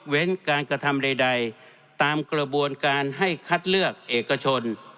การกระทำใดตามกระบวนการให้คัดเลือกเอกชน